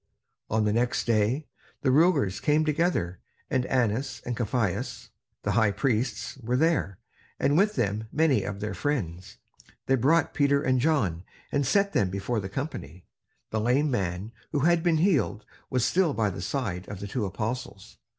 On the next day the rulers came together; and Annas and Caiphas, the high priests, were there, and with them many of their friends. They brought Peter and John, and set them before the company. The lame man who had been healed was still by the side of the two apostles.